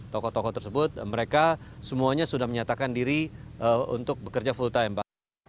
tokoh tokoh tersebut mereka semuanya sudah menyatakan diri untuk bekerja full time